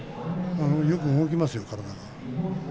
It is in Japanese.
よく動きますよ、体が。